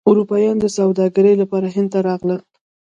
اروپایان د سوداګرۍ لپاره هند ته راغلل.